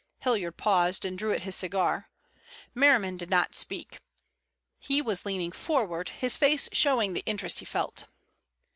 Hilliard paused and drew at his cigar. Merriman did not speak. He was leaning forward, his face showing the interest he felt.